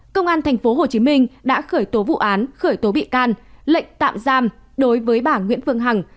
công an tp hcm đã khởi tố vụ án khởi tố bị can lệnh tạm giam đối với bà nguyễn phương hằng